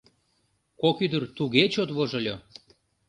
Кок ӱдыр туге чот вожыльо.